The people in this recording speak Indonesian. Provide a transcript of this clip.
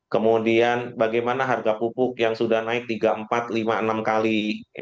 kemudian bagaimana harga pupuk yang sudah naik tiga empat lima enam kali